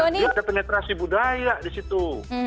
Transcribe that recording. dia ada penetrasi budaya di situ